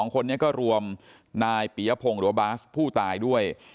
๒คนนี้ก็รวมนายปียพงศ์หรือว่าบาสผู้ตายด้วย